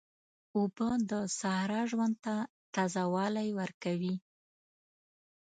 اوبه د صحرا ژوند ته تازه والی ورکوي.